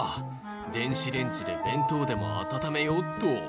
「電子レンジで弁当でも温めようっと」